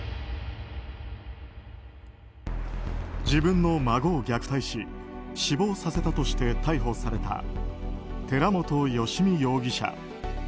自分の孫を虐待し死亡させたとして逮捕された寺本由美容疑者。